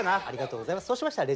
ありがとうございます。